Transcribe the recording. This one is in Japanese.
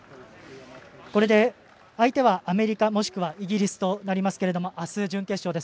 これで、相手はアメリカもしくはイギリスとなりますがあす、準決勝です。